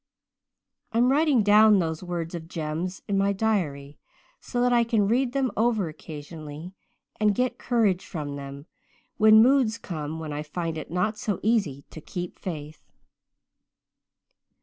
"I'm writing down those words of Jem's in my diary so that I can read them over occasionally and get courage from them, when moods come when I find it not so easy to 'keep faith.'"